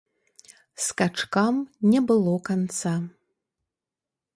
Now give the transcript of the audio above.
Скачкам не было канца!